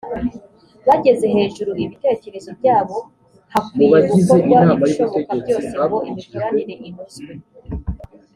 bageze hejuru ibitekerezo byabo hakwiye gukorwa ibishoboka byose ngo imikoranire inozwe